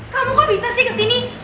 kamu kok bisa sih ke sini